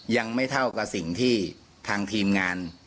ยังไม่เท่ากับสิ่งที่ทางทีมงาน